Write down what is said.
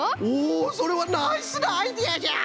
おそれはナイスなアイデアじゃ！